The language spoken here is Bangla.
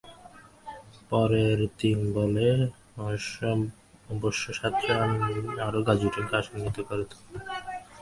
পরের তিন বলে অবশ্য সাত রান আবারও গাজী ট্যাংককে আশান্বিত করে তোলে।